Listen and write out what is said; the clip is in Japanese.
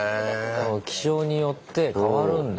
気象によって変わるんだ。